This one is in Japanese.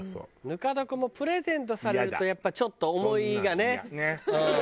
ぬか床もプレゼントされるとやっぱちょっと思いがねうん。